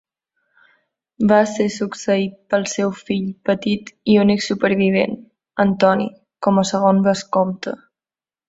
Va ser succeït pel seu fill petit i únic supervivent, en Tony, com a segon vescomte.